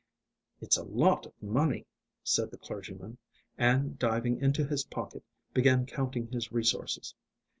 "It's a lot of money," said the clergyman, and, diving into his pocket, began counting his resources.